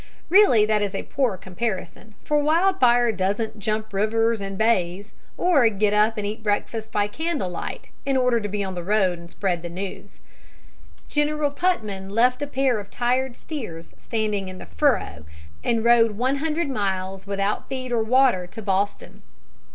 Really, that is a poor comparison, for wildfire doesn't jump rivers and bays, or get up and eat breakfast by candle light in order to be on the road and spread the news. General Putnam left a pair of tired steers standing in the furrow, and rode one hundred miles without feed or water to Boston.